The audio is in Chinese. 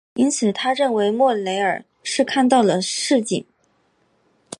因此他认为莫雷尔是看到了蜃景。